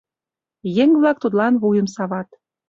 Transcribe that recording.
Еҥ-влак тудлан вуйым сават.